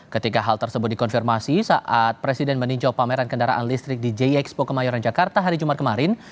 ketika hal tersebut dikonfirmasi saat presiden meninjau pameran kendaraan listrik di jxpo kemayoran jakarta hari jumat kemarin